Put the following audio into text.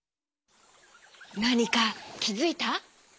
なにかきづいた？